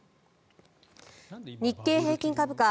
日経平均株価